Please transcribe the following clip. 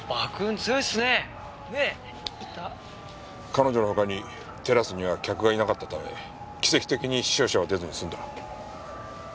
彼女の他にテラスには客がいなかったため奇跡的に死傷者は出ずに済んだ。